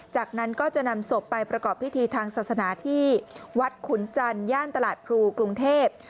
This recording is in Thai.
จากนั้นก็จะนำศพไปประกอบพิธีทางศาสนาที่วัดขุนจันทย่านตลาดพลูกรุงเทพ